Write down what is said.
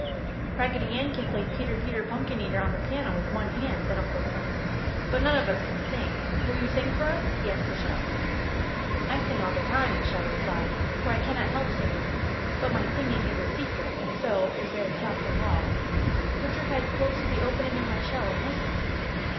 "Raggedy Ann can play 'Peter, Peter, Pumpkin Eater' on the piano, with one hand," said Uncle Clem, "but none of us can sing. Will you sing for us?" he asked the shell. "I sing all the time," the shell replied, "for I cannot help singing, but my singing is a secret and so is very soft and low. Put your head close to the opening in my shell and listen!"